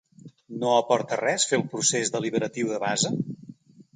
No aporta res fer el procés deliberatiu de base?